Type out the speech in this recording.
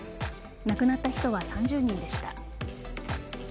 亡くなった人は３０人でした。